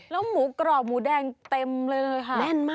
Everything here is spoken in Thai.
แล้วหมูกรอบหมูแดงเต็มเลยค่ะแน่นมาก